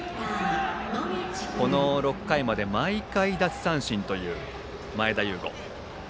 この６回まで奪三振をとっている前田悠伍。